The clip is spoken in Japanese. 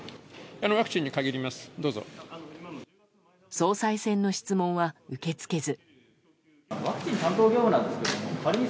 総裁選の質問は受け付けず。